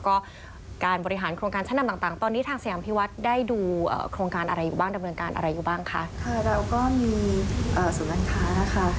อยู่บ้างดำเนินการอะไรอยู่บ้างคะค่ะเราก็มีเอ่อศูนย์การค้านะคะ